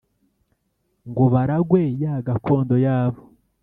ngo baragwe ya gakondo yabo.